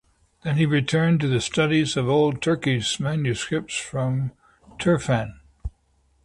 Then he returned to the studies of old Turkish manuscripts from Turfan.